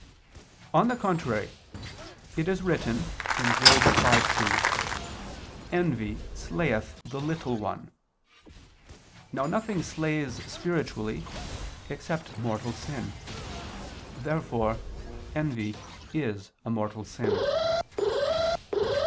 On the contrary, It is written (Job 5:2): "Envy slayeth the little one." Now nothing slays spiritually, except mortal sin. Therefore envy is a mortal sin.